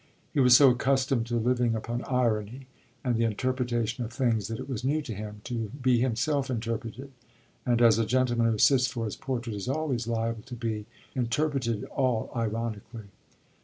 He was so accustomed to living upon irony and the interpretation of things that it was new to him to be himself interpreted and as a gentleman who sits for his portrait is always liable to be interpreted all ironically.